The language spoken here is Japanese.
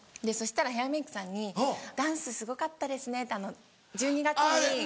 そしたらヘアメークさんに「ダンスすごかったですね」って１２月に。